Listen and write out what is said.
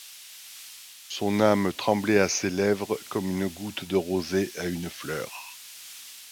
Son âme tremblait à ses lèvres comme une goutte de rosée à une fleur.